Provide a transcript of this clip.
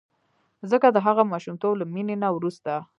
ځکه د هغه ماشومتوب له مینې نه وروسته.